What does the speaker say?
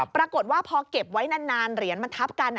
ปรากฏว่าพอเก็บไว้นานเหรียญมันทับกัน